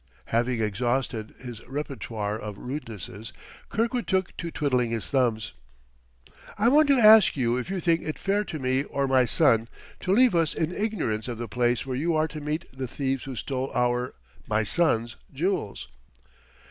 Having exhausted his repertoire of rudenesses, Kirkwood took to twiddling his thumbs. "I want to ask you if you think it fair to me or my son, to leave us in ignorance of the place where you are to meet the thieves who stole our my son's jewels?"